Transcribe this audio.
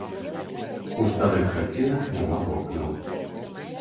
У старых хацінах няма вокнаў.